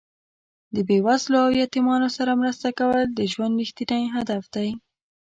د بې وزلو او یتیمانو سره مرسته کول د ژوند رښتیني هدف دی.